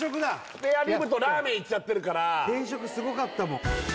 スペアリブとラーメンいっちゃってるから定食すごかったもん